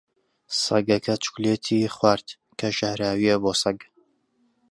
سەگەکە چوکلێتی خوارد، کە ژەهراوییە بۆ سەگ.